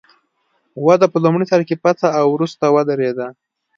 وده په لومړي سر کې پڅه او وروسته ودرېده.